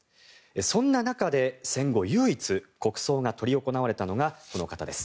そんな中で戦後唯一国葬が執り行われたのがこの方。